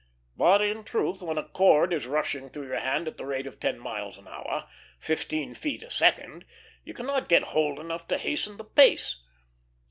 But in truth, when a cord is rushing through your hand at the rate of ten miles an hour fifteen feet a second you cannot get hold enough to hasten the pace.